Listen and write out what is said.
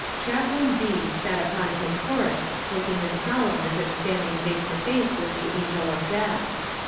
Chaplain B. sat upon his horse looking as solemn as if standing face to face with the angel of death.